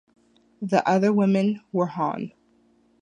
The other women were Hon.